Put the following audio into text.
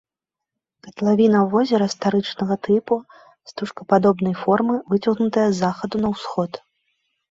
Катлавіна возера старычнага тыпу, стужкападобнай формы, выцягнутая з захаду на ўсход.